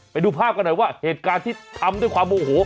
ไปดูภาพกันหน่อยว่าเหตุการณ์ที่ทำด้วยความโมโห